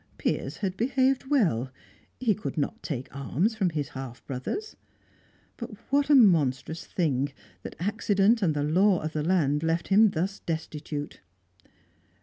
Piers had behaved well; he could not take alms from his half brothers. But what a monstrous thing that accident and the law of the land left him thus destitute!